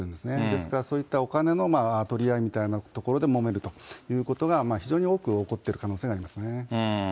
ですから、そういったお金の取り合いみたいなところでもめるということが、非常に多く起こっている可能性がありますね。